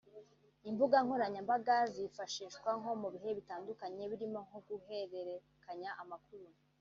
Imbuga nkoranyambaga zifashishwa mu bihe bitandukanye birimo nko guhererekanya amakuru